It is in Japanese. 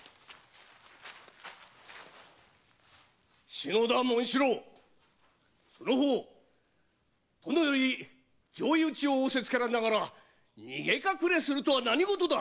篠田紋四郎その方殿より上意討ちを仰せつけられながら逃げ隠れするとは何事だ！